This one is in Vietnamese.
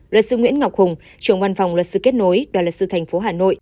luật sư nguyễn ngọc hùng trưởng văn phòng luật sư kết nối đoàn luật sư thành phố hà nội